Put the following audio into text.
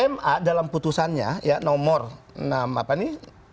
ma dalam putusannya ya nomor enam apa nih